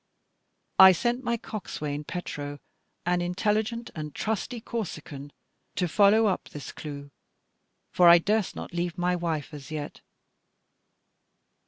I sent my coxswain Petro, an intelligent and trusty Corsican, to follow up this clue; for I durst not leave my wife as yet.